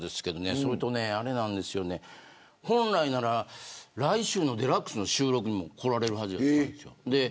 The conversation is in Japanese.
それと本来なら来週のＤＸの収録にも来られるはずだったんです。